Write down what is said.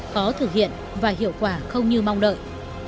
khó thực hiện và hiệu quả không như mong đợi